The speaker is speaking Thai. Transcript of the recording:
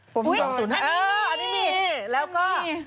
ผมมี๒๐๕เอออันนี้มีแล้วก็๔๘๙